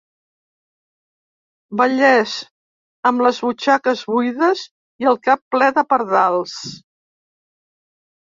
Vallès amb les butxaques buides i el cap ple de pardals.